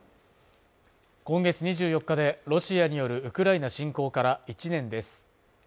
今月２４日でロシアによるウクライナ侵攻から１年です